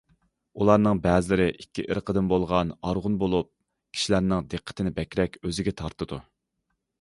ئۇلارنىڭ بەزىلىرى ئىككى ئىرقىدىن بولغان ئارغۇن بولۇپ، كىشىلەرنىڭ دىققىتىنى بەكرەك ئۆزىگە تارتىدۇ.